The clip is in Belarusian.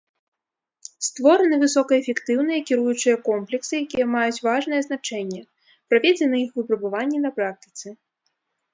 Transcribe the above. Створаны высокаэфектыўныя кіруючыя комплексы, якія маюць важнае значэнне, праведзены іх выпрабаванні на практыцы.